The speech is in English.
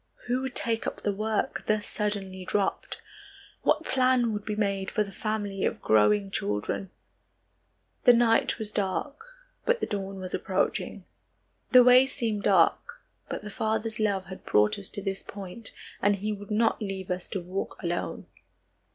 Who would take up the work thus suddenly dropped? What plan would be made for the family of growing children? The night was dark, but the dawn was approaching. The way seemed dark, but the Father's love had brought us to this point and he would not leave us to walk alone.